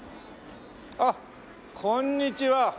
あっこんにちは。